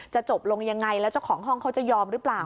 จบลงยังไงแล้วเจ้าของห้องเขาจะยอมหรือเปล่า